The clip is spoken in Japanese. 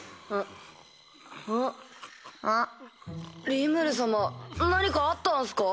リムル様何かあったんすか？